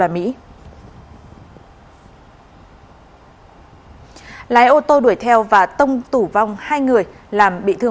mày đã hỏi anh là